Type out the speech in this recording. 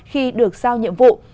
khi được giao nhiệm vụ